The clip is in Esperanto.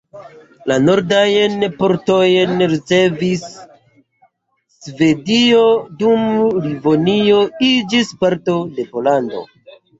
La nordajn partojn ricevis Svedio, dum Livonio iĝis parto de Pollando.